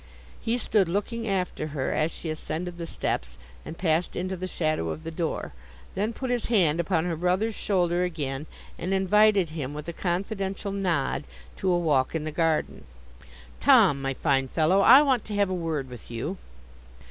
He stood looking after her, as she ascended the steps, and passed into the shadow of the door; then put his hand upon her brother's shoulder again, and invited him with a confidential nod to a walk in the garden. 'Tom, my fine fellow, I want to have a word with you.